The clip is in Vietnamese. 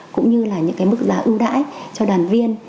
cũng như là những cái mức giá ưu đãi cho đoàn viên